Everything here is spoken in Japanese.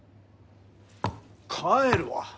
帰るわ。